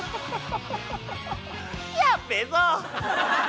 やっべえぞ！